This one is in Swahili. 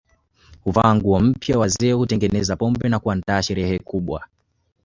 Huvaa nguo mpya wazee hutengeneza pombe na kuandaa sherehe kubwa